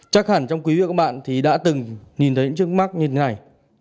chắc hẳn trong quý vị các bạn thì đã từng nhìn thấy những chiếc mắt như thế này